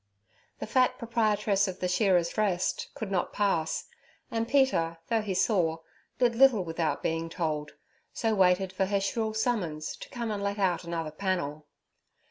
The fat proprietress of the Shearers' Rest could not pass, and Peter, though he saw, did little without being told, so waited for her shrill summons to come and let out another panel.